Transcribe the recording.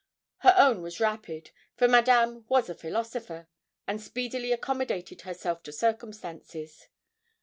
Her own was rapid; for Madame was a philosopher, and speedily accommodated herself to circumstances.